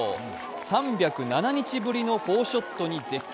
３０７日ぶりの４ショットに絶叫。